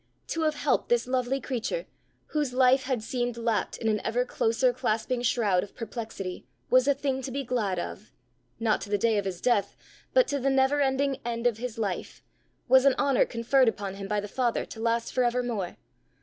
To have helped this lovely creature, whose life had seemed lapt in an ever closer clasping shroud of perplexity, was a thing to be glad of not to the day of his death, but to the never ending end of his life! was an honour conferred upon him by the Father, to last for evermore!